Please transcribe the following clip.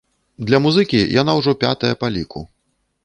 Для музыкі яна ўжо пятая па ліку.